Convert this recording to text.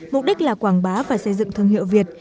mục đích là quảng bá và xây dựng thương hiệu việt